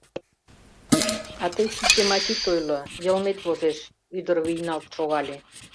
— А тый кид йымач ит ойло: йылмет возеш, — ӱдыр вийналт шогале.